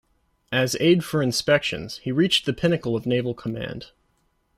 As Aide for Inspections, he reached the pinnacle of naval command.